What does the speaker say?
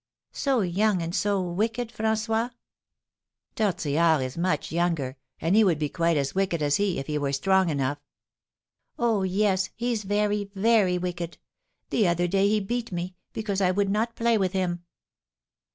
"So young and so wicked, François?" "Tortillard is much younger, and he would be quite as wicked as he, if he were strong enough." "Oh, yes, he's very, very wicked! The other day he beat me, because I would not play with him."